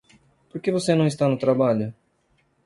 Por que você não está no trabalho?